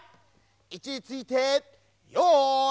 いちについてよい。